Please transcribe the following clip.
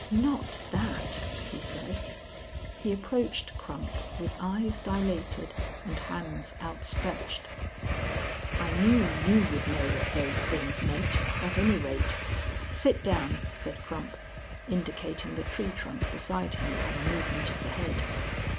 "Not that!" he said. He approached Crump with eyes dilated and hands outstretched. "I knew you would know what those things meant at any rate. Sit down," said Crump, indicating the tree trunk beside him by a movement of the head.